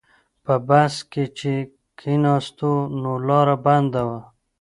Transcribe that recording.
په بس کې چې کیناستو نو لاره بنده وه.